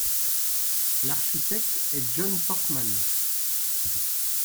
L'architecte est John Portman.